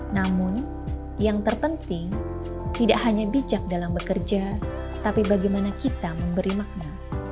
namun yang terpenting tidak hanya bijak dalam bekerja tapi bagaimana kita memberi makna